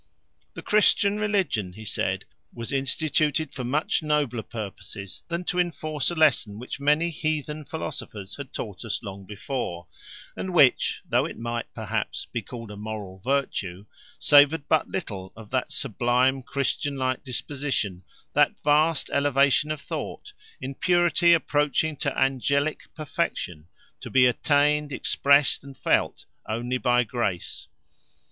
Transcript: "The Christian religion," he said, "was instituted for much nobler purposes, than to enforce a lesson which many heathen philosophers had taught us long before, and which, though it might perhaps be called a moral virtue, savoured but little of that sublime, Christian like disposition, that vast elevation of thought, in purity approaching to angelic perfection, to be attained, expressed, and felt only by grace.